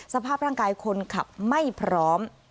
สภาพร่างกายคนขับไม่พร้อม